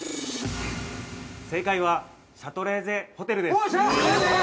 ◆正解はシャトレーゼホテルです。